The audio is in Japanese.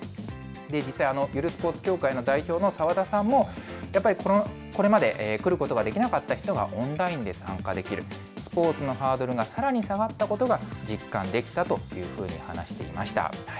実際、ゆるスポーツ協会の代表の澤田さんも、やっぱりこれまで来ることができなかった人がオンラインで参加できる、スポーツのハードルがさらに下がったことが、実感できたというふうに話していました。